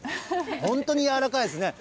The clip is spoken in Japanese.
本当に柔らかいですね。